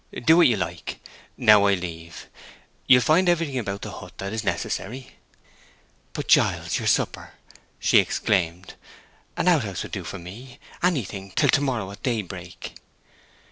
"Do what you like. Now I leave. You will find everything about the hut that is necessary." "But, Giles—your supper," she exclaimed. "An out house would do for me—anything—till to morrow at day break!"